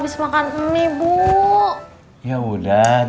haruseu ke deaths center kayak lustefire ya uwib somebody